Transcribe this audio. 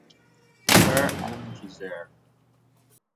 Her element is air.